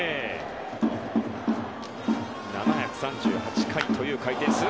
７３８回という回転数。